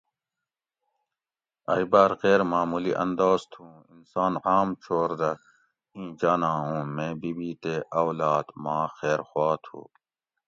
ائ باۤر غیر معمولی انداز تھو اوں انسان عام چور دہ اِیں جاناں اُوں میں بی بی تے اولاد ماں خیرخواہ تھو